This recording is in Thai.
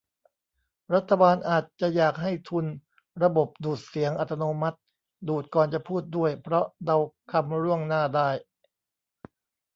รัฐบาลอาจจะอยากให้ทุน ระบบดูดเสียงอัตโนมัติ ดูดก่อนจะพูดด้วย เพราะเดาคำล่วงหน้าได้